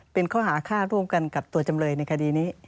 เป็นข้อหาฆ่าร่วมกันกับตัวจำเลยในคดีนี้